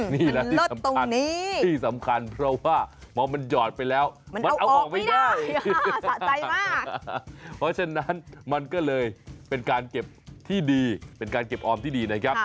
มันเลิดตรงนี้ที่สำคัญเพราะว่ามันยอดไปแล้วมันเอาออกไม่ได้สะใจมาก